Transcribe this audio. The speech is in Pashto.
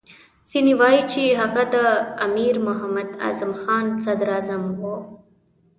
ځینې وایي چې هغه د امیر محمد اعظم خان صدراعظم وو.